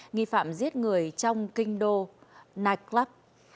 nghị phạm giết người trong kinh đô nightclub